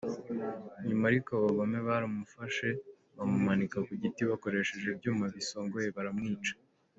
Nyuma ariko abagome baramufashe bamumanika ku giti bakoresheje ibyuma bisongoye baramwica.